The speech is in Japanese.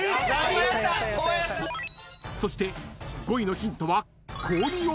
［そして５位のヒントは］